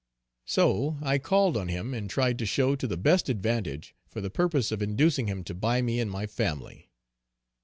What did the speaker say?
So I called on him and tried to show to the best advantage, for the purpose of inducing him to buy me and my family.